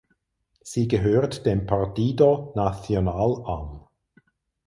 Sie gehört dem Partido Nacional an.